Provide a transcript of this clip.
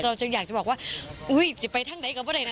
เราอยากจะบอกว่าอุ้ยจะไปทางไหนกับพวกใดน่ะ